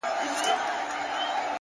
پرمختګ د ځان ارزونې اړتیا لري